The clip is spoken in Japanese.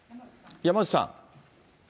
山内さん。